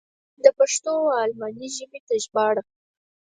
د پښتو و الماني ژبې ته ژباړه.